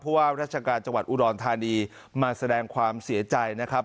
เพราะว่าราชการจังหวัดอุดรธานีมาแสดงความเสียใจนะครับ